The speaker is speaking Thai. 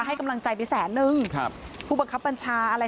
ให้กำลังใจไปแสนนึงครับผู้บังคับบัญชาอะไร